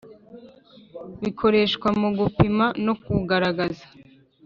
bikoreshwa mu gupima no kugaragaza